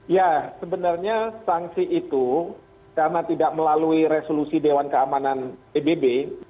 ya sebenarnya sanksi itu karena tidak melalui resolusi dewan keamanan pbb